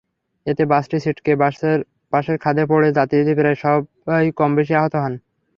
এতে বাসটি ছিটকে পাশের খাদে পড়ে যাত্রীদের প্রায় সবাই কমবেশি আহত হন।